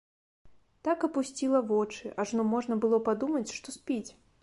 Так апусціла вочы, ажно можна было падумаць, што спіць.